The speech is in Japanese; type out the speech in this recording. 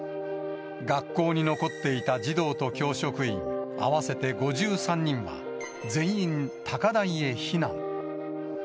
学校に残っていた児童と教職員合わせて５３人は、全員高台へ避難。